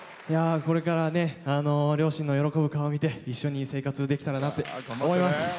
これから両親の喜ぶ顔を見て一緒に生活できたらなって思います。